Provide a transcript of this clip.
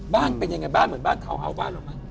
บ้านเป็นยังไงบ้านเหมือนบ้านเทาเฮาบ้านหรือเปล่า